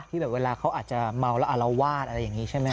แบบเวลาเขาอาจจะเมาแล้วอารวาสอะไรอย่างนี้ใช่ไหม